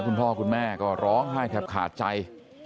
คุณพ่อคุณแม่ก็ร้องไห้แทบขาดใจ